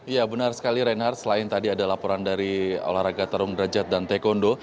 ya benar sekali reinhard selain tadi ada laporan dari olahraga tarung derajat dan taekwondo